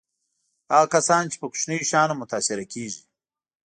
هغه کسان چې په کوچنیو شیانو متأثره کېږي.